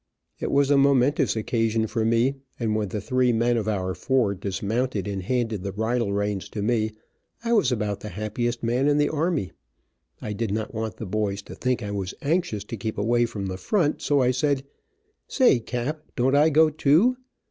It was a momentous occasion for me, and when the three men of our four dismounted and handed the bridle reins to me, I was about the happiest man in the army. I did not want the boys to think I was anxious to keep away from the front, so I said, "Say, cap, don't I go too?"